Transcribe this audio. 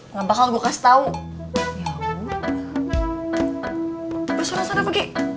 nggak bakal gue kasih tau